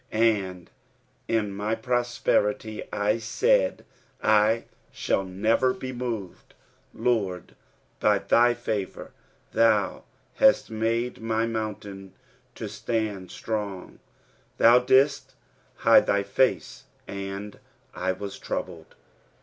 6 And in my prosperity I said, I shall never be moved, 7 Lord, by thy favour thou hast made my mountain to stand strong : thou didst hide thy face, and I was troubled.